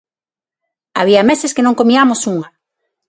Había meses que non comiamos unha.